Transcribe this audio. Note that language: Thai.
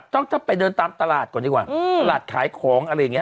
ต้องถ้าไปเดินตามตลาดก่อนดีกว่าตลาดขายของอะไรอย่างนี้